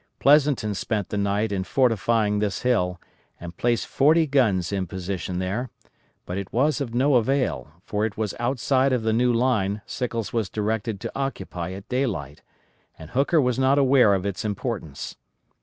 Pleasonton spent the night in fortifying this hill, and placed forty guns in position there; but it was of no avail, for it was outside of the new line Sickles was directed to occupy at daylight, and Hooker was not aware of its importance.